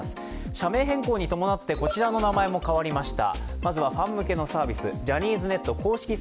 社名変更に伴って、こちらの名前も変わりました。